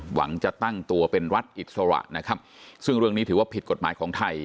หวังจะตั้งตัวเป็นรัฐอิสระนะครับซึ่งเรื่องนี้ถือว่าผิดกฎหมายของไทย